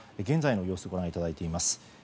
現在の様子をご覧いただいています。